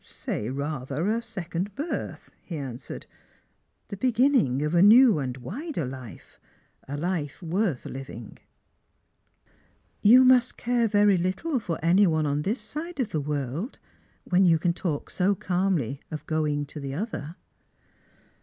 " Say rather a second birth," he answered :" the beginning of a new and wider life — a life worth living." " You must care very little for any one on this side of tha world, when you can talk so calmly of going to the other."